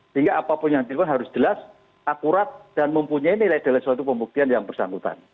sehingga apa pun yang diperlukan harus jelas akurat dan mempunyai nilai dalam suatu pembuktian yang bersangkutan